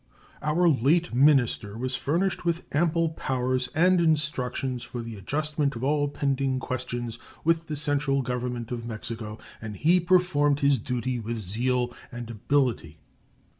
Our late minister was furnished with ample powers and instructions for the adjustment of all pending questions with the central Government of Mexico, and he performed his duty with zeal and ability.